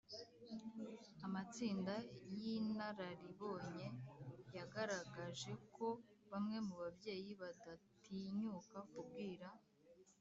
Amatsinda y inararibonye yagaragaje ko bamwe mu babyeyi badatinyuka kubwira